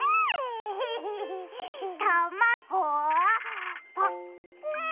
たまごをパックン。